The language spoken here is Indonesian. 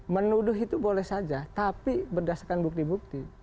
menuduh itu boleh saja tapi berdasarkan bukti bukti